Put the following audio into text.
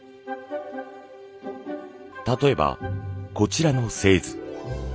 例えばこちらの製図。